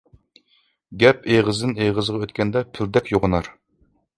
گەپ ئېغىزدىن ئېغىزغا ئۆتكەندە پىلدەك يوغىنار.